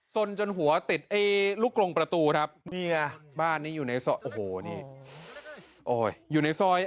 สนจนหัวติดเอ๊ยลูกกรงประตูครับนี่ค่ะบ้านนี้อยู่ในโอ้โหนี่